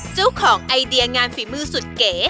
เจ้าของไอเดียงานฝีมือสุดเก๋